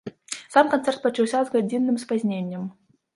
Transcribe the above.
Сам канцэрт пачаўся з гадзінным спазненнем.